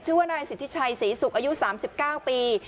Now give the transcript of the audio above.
เชื่อว่านายศิษยีชัยศรีสุขอายุสามสิบเก้าปี